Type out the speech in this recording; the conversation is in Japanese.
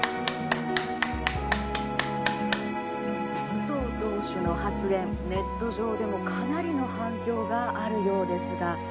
「武藤党首の発言ネット上でもかなりの反響があるようですが」